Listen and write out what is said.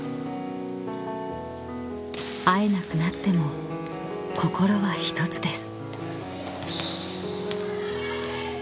［会えなくなっても心は一つです］